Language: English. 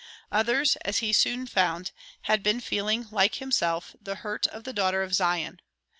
Others, as he soon found, had been feeling, like himself, the hurt of the daughter of Zion.